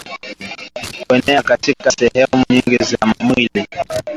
kuenea katika sehemu nyingine za mwili